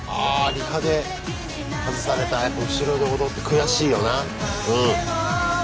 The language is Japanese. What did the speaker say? リハで外された後ろで踊って悔しいよな。